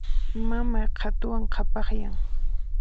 Mamay qhatuwan qhapaqyan.